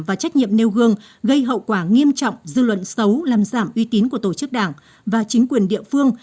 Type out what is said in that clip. và trách nhiệm nêu gương gây hậu quả nghiêm trọng dư luận xấu làm giảm uy tín của tổ chức đảng và chính quyền địa phương